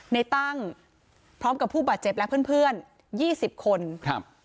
ในตั้งพร้อมกับผู้บาดเจ็บและเพื่อนเพื่อนยี่สิบคนครับ